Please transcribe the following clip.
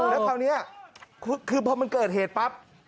และตอนนี้คือเว้ามันเกิดเหตุปรับ